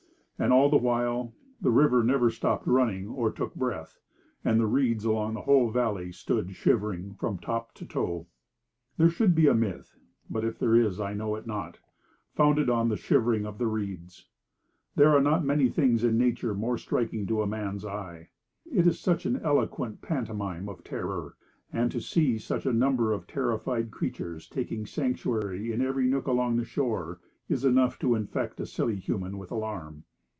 And all the while the river never stopped running or took breath; and the reeds along the whole valley stood shivering from top to toe. There should be some myth (but if there is, I know it not) founded on the shivering of the reeds. There are not many things in nature more striking to man's eye. It is such an eloquent pantomime of terror; and to see such a number of terrified creatures taking sanctuary in every nook along the shore, is enough to infect a silly human with alarm.